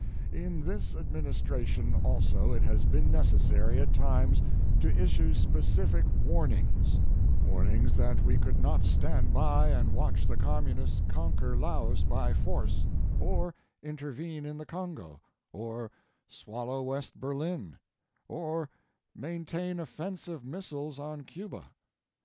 In this administration also it has been necessary at times to issue specific warnings ŌĆō warnings that we could not stand by and watch the Communists conquer Laos by force, or intervene in the Congo, or swallow West Berlin, or maintain offensive missiles on Cuba.